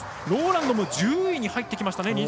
ロウランドも１０位に入ってきました。